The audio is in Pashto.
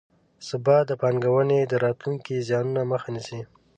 ثبات د پانګونې د راتلونکو زیانونو مخه نیسي.